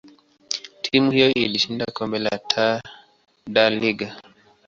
timu hiyo ilishinda kombe la Taa da Liga.